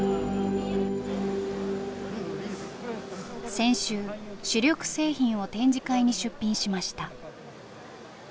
先週主力製品を展示会に出品しました。